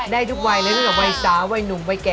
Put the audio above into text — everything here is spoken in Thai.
ได้ทุกวัยไหมคะทุกวัยค่ะจ้างแต่วัยอะไรคะ